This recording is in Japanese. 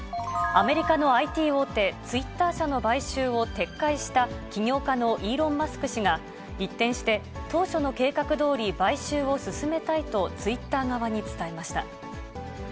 アメリカのＩＴ大手、ツイッター社の買収を撤回した起業家のイーロン・マスク氏が、一転して、当初の計画どおり買収を進めたいとツイッター側に伝えました。